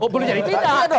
boleh jadi tidak